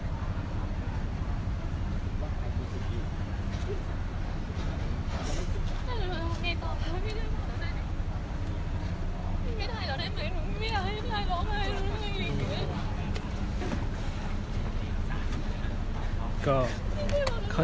ไม่ใช่นี่คือบ้านของคนที่เคยดื่มอยู่หรือเปล่า